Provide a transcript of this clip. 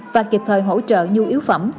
và kịp thời hỗ trợ nhu yếu phẩm